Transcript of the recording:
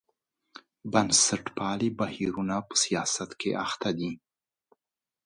بنسټپالي بهیرونه په سیاست کې اخته دي.